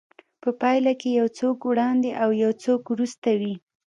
په پايله کې يو څوک وړاندې او يو څوک وروسته وي.